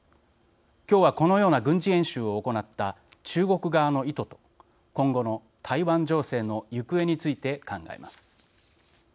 今日はこのような軍事演習を行った中国側の意図と今後の台湾情勢の行方について考えます。